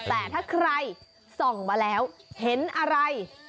แต่ถ้าใครส่องมาแล้วเห็นอะไร